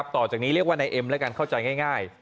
ต่อจากนี้เรียกว่านายเอ็มแล้วกันเข้าใจง่าย